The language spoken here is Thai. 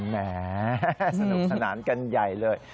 แหมสนุกสนานกันใหญ่เลย